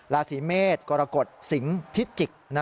ราศีเมฆกรกฎสิงพิจิก